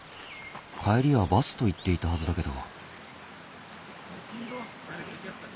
「帰りはバス」と言っていたはずだけど。